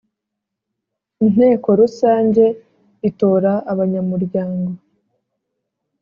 Inteko rusange itora abanyamuryango